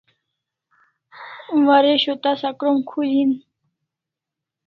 Waresho tasa krom khul hin